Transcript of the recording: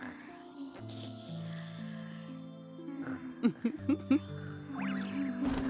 ウフフフ。